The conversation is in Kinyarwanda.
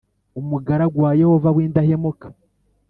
Umugaragu wa yehova w’indahemuka